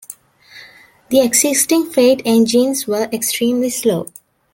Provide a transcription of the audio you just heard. The existing freight engines were extremely slow.